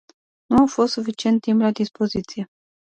Nu a fost suficient timp la dispoziție.